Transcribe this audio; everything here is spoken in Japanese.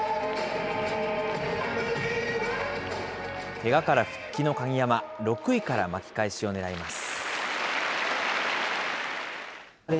けがから復帰の鍵山、６位から巻き返しをねらいます。